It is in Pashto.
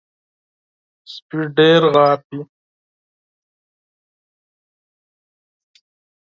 سپي ډېر غاپي .